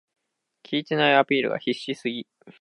効いてないアピールが必死すぎ